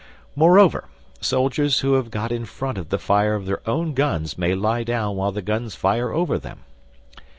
Moreover, soldiers who have got in front of the fire of their own guns may lie down while the guns fire over them.